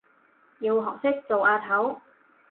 要學識做阿頭